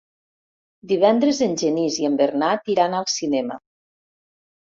Divendres en Genís i en Bernat iran al cinema.